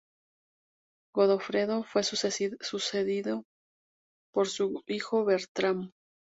Godofredo fue sucedido por su hijo Bertrand.